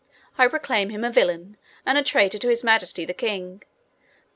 I proclaim him a villain, and a traitor to His Majesty the king.